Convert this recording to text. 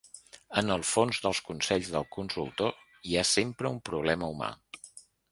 En el fons dels consells del consultor, hi ha sempre un problema humà.